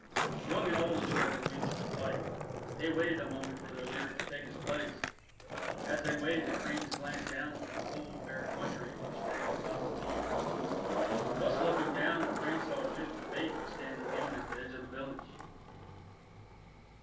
Young and old spread their wings for flight. They waited a moment for their leader to take his place. As they waited the cranes glanced down to the cold, bare country which they were about to leave. Thus looking down, the cranes saw a beautiful maiden standing alone at the edge of the village.